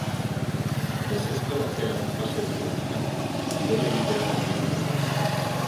Deseskalatzearen fase berri honetan, kirola egitea baimendu dute.